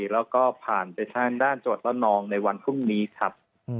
แล้วก็ผ่านไปทางด้านจังหวัดละนองในวันพรุ่งนี้ครับ